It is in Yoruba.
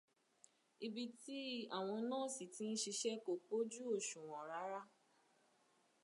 Ibi tí àwọn nọ́ọ̀sí ti ń ṣiṣẹ́ kò pójú òṣùwọ̀n rárá.